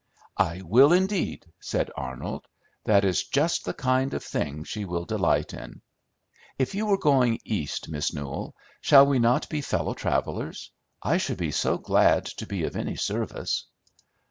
"I will, indeed," said Arnold. "That is just the kind of thing she will delight in. If you are going East, Miss Newell, shall we not be fellow travelers? I should be so glad to be of any service."